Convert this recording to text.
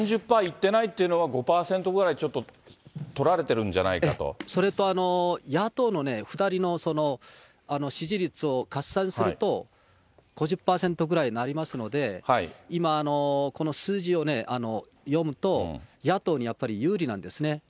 ４０パーいってないというのは、５％ぐらい、ちょっと取られそれと、野党の２人の支持率を合算すると、５０％ぐらいになりますので、今、この数字を読むと、野党にやっぱり有利なんですね。